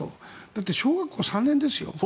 だって、小学校３年ですよ。